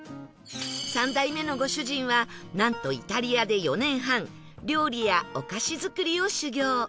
３代目のご主人はなんとイタリアで４年半料理やお菓子作りを修業